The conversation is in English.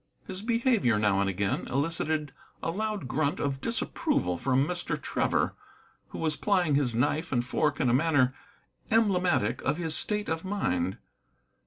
His behavior now and again elicited a loud grunt of disapproval from Mr. Trevor, who was plying his knife and fork in a manner emblematic of his state of mind.